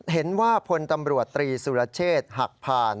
เห็นว่าพลตำรวจตรีสุรเชษฐ์หักผ่าน